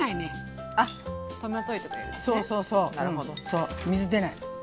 そう水出ない。